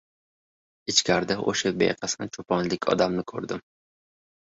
Ichkarida o‘sha beqasam choponlik odamni ko‘rdim.